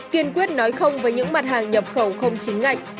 kiên quyết nói không với những mặt hàng nhập khẩu không chính ngạch